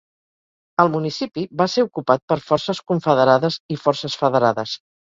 El municipi va ser ocupat per forces confederades i forces federades.